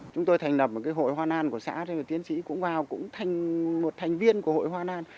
chúng tôi thành lập một hội hoa lan của xã tiến sĩ cũng vào cũng thành một thành viên của hội hoa lan